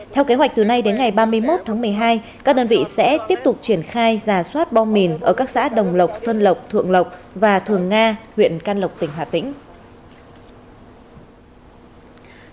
theo kế hoạch từ nay đến ngày ba mươi một tháng một mươi hai các đơn vị sẽ tiếp tục triển khai giả soát bom mìn ở các xã đồng lộc xuân lộc thượng lộc và thường nga huyện can lộc tỉnh hà tĩnh